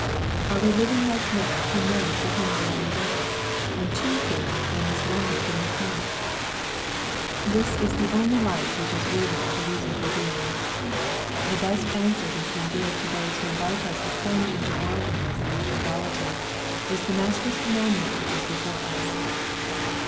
Are we living like men who know to whom they are indebted, and to whom they must ono day give account ? This is the only life which is 800 EXPOSITORY THOUGHTS. worthy of a reasonable being. The best answer we can give to those who invite us to plunge into worldliness and frivolity, is the Master's commandment which is before us.